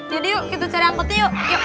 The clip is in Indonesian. jadi yuk kita cari angkutnya yuk